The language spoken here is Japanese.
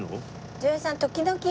女優さん時々。